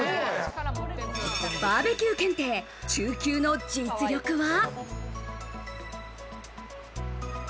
バーベキュー検定、中級の実力は？